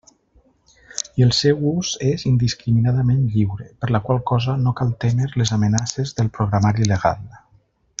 I el seu ús és indiscriminadament lliure, per la qual cosa no cal témer les amenaces del Programari Legal.